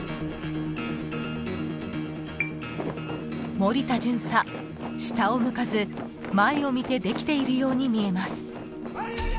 ［森田巡査下を向かず前を見てできているように見えます］